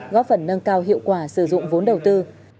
góp phần nâng cao hiệu quả sử dụng vốn đầu tư